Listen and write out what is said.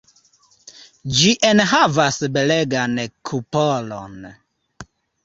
Ĝi enhavas belegan kupolon.